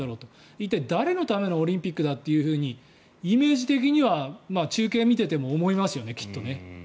一体、誰のためのオリンピックだとイメージ的には中継を見てても思いますよね。